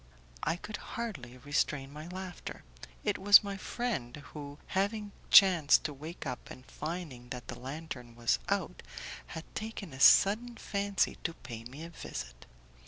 I could hardly restrain my laughter. It was my friend, who, having chanced to wake up and finding that the lantern was out, had taken a sudden fancy to pay me a visit.